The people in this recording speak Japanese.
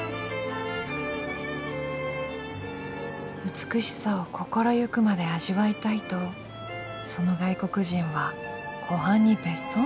美しさを心ゆくまで味わいたいとその外国人は湖畔に別荘まで建ててしまった。